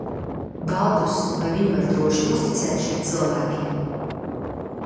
Baltus, vai viņu var droši uzticēt šiem cilvēkiem?